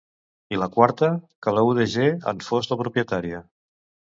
I la quarta, que la UdG en fos la propietària.